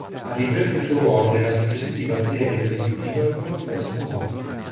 Ha ripreso il suo ruolo nella successiva serie televisiva con lo stesso nome.